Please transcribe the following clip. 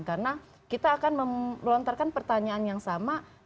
karena kita akan melontarkan pertanyaan yang sama mungkin jawabannya bisa sama bisa berbeda